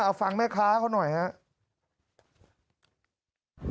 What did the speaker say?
เอาฟังแม่ค้าเขาหน่อยครับ